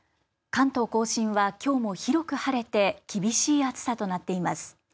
関東甲信は、きょうも広く晴れて厳しい暑さとなっています。